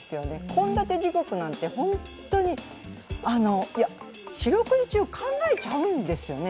献立地獄なんて、ホントに、四六時中、考えちゃうんですよね。